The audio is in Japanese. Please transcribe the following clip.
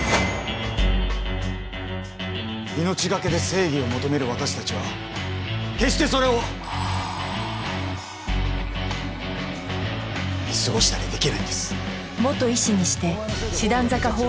命懸けで正義を求める私たちは決してそれを見過ごしたりできないんです。